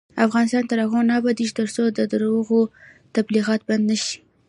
افغانستان تر هغو نه ابادیږي، ترڅو د درواغو تبلیغات بند نشي.